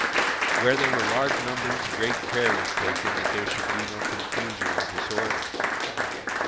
Where there were large numbers great care was taken that there should be no confusion or disorder.